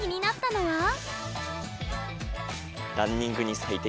「ランニングに最適？！」。